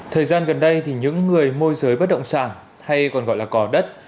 thời gian gần đây những người môi giới bất động sản hay còn gọi là cỏ đất